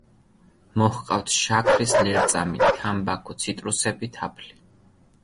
მოჰყავთ შაქრის ლერწამი, თამბაქო, ციტრუსები, თაფლი.